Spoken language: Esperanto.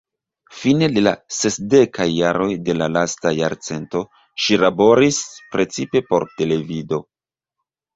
Fine de la sesdekaj jaroj de la lasta jarcento ŝi laboris precipe por televido.